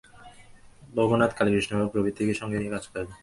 ভবনাথ, কালীকৃষ্ণবাবু প্রভৃতিকে সঙ্গে নিয়ে কাজ করবে।